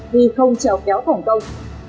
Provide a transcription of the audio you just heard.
vì không trèo kéo thổng công